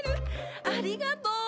ありがとう！